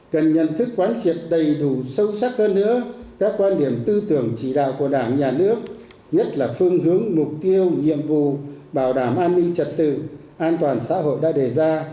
cần nhận thức quán triệt đầy đủ sâu sắc hơn nữa các quan điểm tư tưởng chỉ đạo của đảng nhà nước nhất là phương hướng mục tiêu nhiệm vụ bảo đảm an ninh trật tự an toàn xã hội đã đề ra